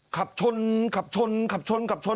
ขับชนขับชนขับชนขับชน